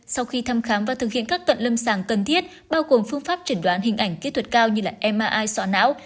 sau khi thăm khám và thực hiện các tận lâm sàng cần thiết bao gồm phương pháp trển đoán hình ảnh kỹ thuật cao như là mri xóa não